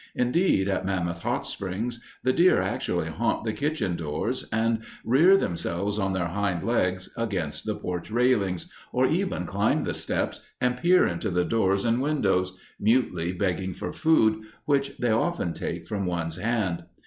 Indeed, at Mammoth Hot Springs, the deer actually haunt the kitchen doors and rear themselves on their hind legs against the porch railings, or even climb the steps and peer into the doors and windows, mutely begging for food, which they often take from one's hand.